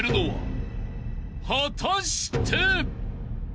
［果たして！？］